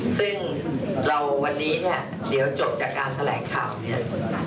ซึ่งเราวันนี้เนี่ยเดี๋ยวจบจากการแถลงข่าวเนี่ย